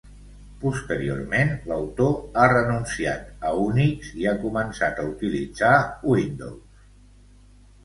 Posteriorment, l'autor ha renunciat a Unix i ha començat a utilitzar Windows.